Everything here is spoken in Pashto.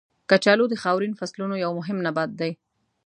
کچالو د خاورین فصلونو یو مهم نبات دی.